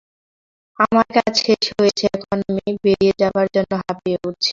আমার কাজ শেষ হয়েছে, এখন আমি বেরিয়ে যাবার জন্য হাঁপিয়ে উঠেছি।